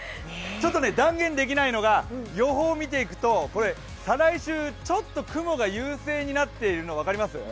ちょっと断言できないのが、予報を見ていくと再来週、ちょっと雲が優性になっているのが分かります？